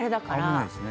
そうなんです。